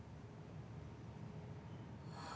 あっ。